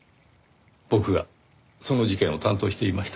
僕がその事件を担当していました。